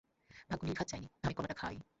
ভাগ্য নির্ঘাত চায়নি আমি কলাটা খাই।